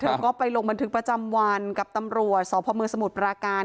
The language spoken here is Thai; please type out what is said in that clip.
เธอก็ไปลงบันทึกประจำวันกับตำรวจสพมสมุทรปราการ